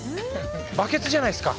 バケツじゃないすか？